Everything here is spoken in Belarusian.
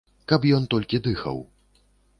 Каб ён толькі дыхаў.